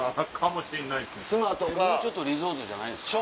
もうちょっとリゾートじゃないんですか？